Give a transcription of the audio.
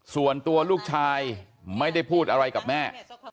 ส่วนตัวลูกชายไม่ได้พูดอะไรกับแม่